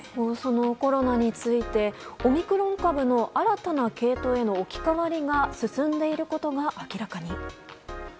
コロナについてオミクロン株の新たな系統への置き換わりが進んでいることが明らかに。